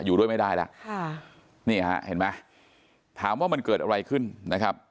อยู่ด้วยไม่ได้แล้วค่ะนี่ฮะเห็นไหมถามว่ามันเกิดอะไรขึ้นนะครับ